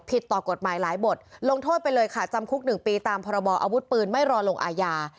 ผิดต่อกฎหมายหลายบทลงโทษไปเลยค่ะจำคุกหนึ่งปีตามพบอปืนไม่รอลงอาญา